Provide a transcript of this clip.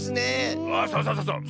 あそうそうそうそう。